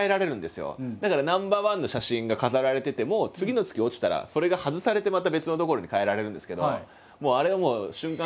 だからナンバーワンの写真が飾られてても次の月落ちたらそれが外されてまた別の所に替えられるんですけど。